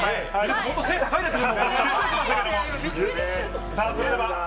本当、背高いですね。